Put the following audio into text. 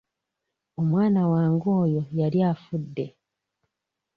Omwana wange oyo yali afudde.